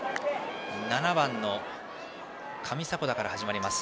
７番の上迫田から始まります。